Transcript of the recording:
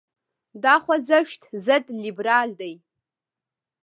دا خوځښت ضد لیبرال دی.